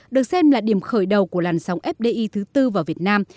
được xem là điểm khởi đầu của làn sóng fdi thứ tư vào việt nam